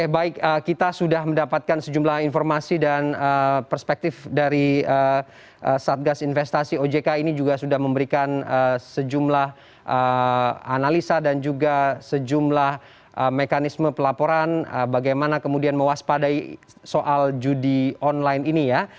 baik kita sudah mendapatkan sejumlah informasi dan perspektif dari satgas investasi ojk ini juga sudah memberikan sejumlah analisa dan juga sejumlah mekanisme pelaporan bagaimana kemudian mewaspadai soal judi online ini ya